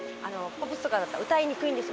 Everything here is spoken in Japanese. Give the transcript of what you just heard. ポップスとかだったら歌いにくいんです。